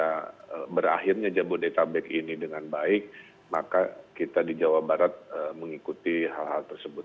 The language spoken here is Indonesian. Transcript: karena berakhirnya jabodetabek ini dengan baik maka kita di jawa barat mengikuti hal hal tersebut